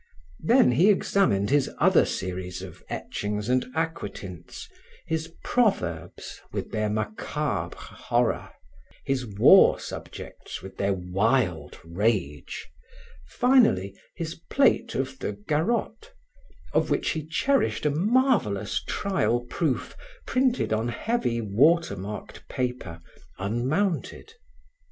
Then he examined his other series of etchings and aquatints, his Proverbs with their macabre horror, his war subjects with their wild rage, finally his plate of the Garot, of which he cherished a marvelous trial proof, printed on heavy water marked paper, unmounted.